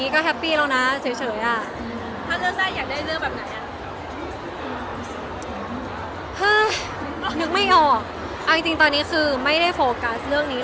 ก็ไม่ได้บิดกั้นอะไรเพราะว่านี่ก็อายุก็๒๒๒๓